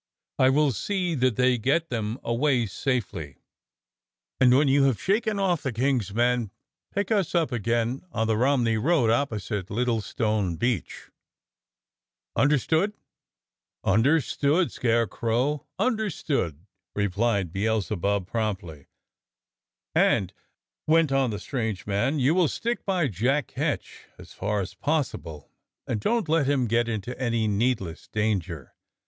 I will see that they get them away safely, and when you have shaken off the King's men pick us up again on the Romney road opposite Littlestone Beech. Understood?" 200 DOCTOR SYN "Understood, Scarecrow, understood," replied Beel zebub promptly. "And," went on the strange man, "you will stick by Jack Ketch as far as possible, and don't let him get into any needless danger.